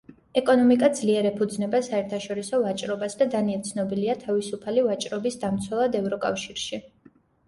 ეკონომიკა ძლიერ ეფუძნება საერთაშორისო ვაჭრობას და დანია ცნობილია თავისუფალი ვაჭრობის დამცველად ევროკავშირში.